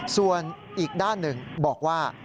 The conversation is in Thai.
ส่วนอีกด้านหนึ่งบอกว่า